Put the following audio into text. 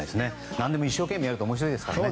何でも一生懸命やると面白いですからね。